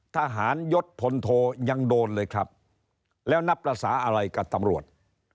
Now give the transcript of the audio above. ทหารยศพลโทยังโดนเลยครับแล้วนับภาษาอะไรกับตำรวจ